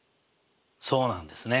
そうなんですね。